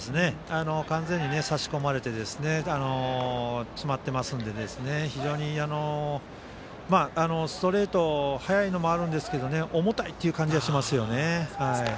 完全に差し込まれて詰まっていますので非常にストレートは速いのもあるんですけども重たいという感じがしますね。